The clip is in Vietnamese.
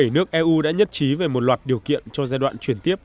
hai mươi bảy nước eu đã nhất trí về một loạt điều kiện cho giai đoạn chuyển tiếp